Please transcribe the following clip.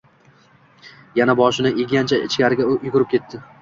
Yana boshini eggancha ichkariga yugurib ketdi.